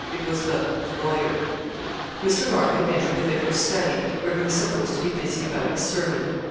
It was the 'lawyer.' Mr. Larkin entered the vicar's study, where he was supposed to be busy about his sermon.